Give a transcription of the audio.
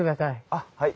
あっはい。